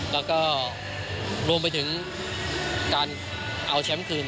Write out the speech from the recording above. แล้วก็รวมไปถึงการเอาแชมป์คืน